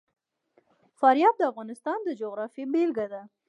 فاریاب د افغانستان د جغرافیې بېلګه ده.